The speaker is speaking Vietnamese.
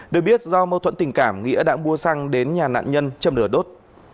được biết do mâu thuẫn tình cảm nghĩa đã mua xăng đến nhà nạn nhân châm lửa đốt